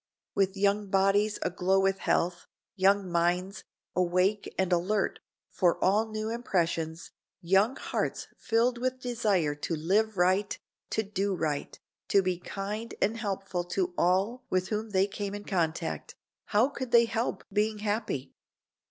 With young bodies aglow with health, young minds, awake and alert for all new impressions, young hearts filled with desire to live right, to do right, to be kind and helpful to all with whom they came in contact, how could they help being happy?